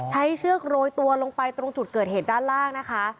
เชือกโรยตัวลงไปตรงจุดเกิดเหตุด้านล่างนะคะ